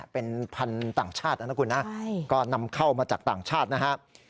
เป็นพันธุ์ต่างชาตินะคุณนะก็นำเข้ามาจากต่างชาตินะครับ